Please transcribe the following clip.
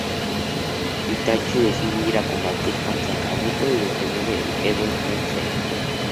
Itachi decide ir a combatir contra Kabuto y detener el Edo Tensei.